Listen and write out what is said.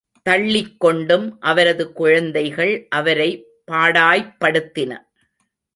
தள்ளிக் கொண்டும் அவரது குழந்தைகள், அவரை பாடாய்படுத்தின.